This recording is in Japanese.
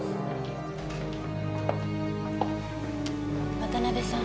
渡辺さん。